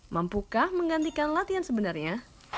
mampukah menggantikan latihan sebenarnya